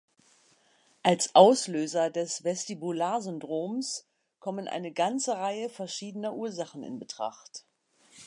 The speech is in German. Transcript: Als Auslöser des Vestibular-Syndroms kommen eine ganze Reihe verschiedener Ursachen in Betracht.